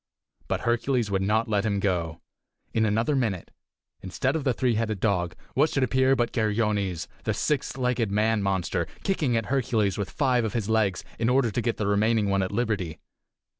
But Hercules would not let him go. In another minute, instead of the three headed dog, what should appear but Geryones, the six legged man monster, kicking at Hercules with five of his legs in order to get the remaining one at liberty!